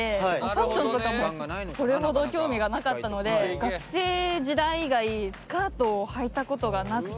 ファッションとかもそれほど興味がなかったので学生時代以外スカートをはいた事がなくて。